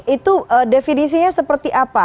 itu definisinya seperti apa